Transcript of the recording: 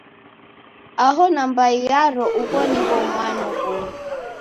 Aho nambai yaro, ugho nigho mwano ghonyu.